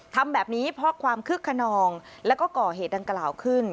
ทำแบบนี้เพราะความคึกขนองแล้วก็ก่อเหตุดังกล่าวขึ้น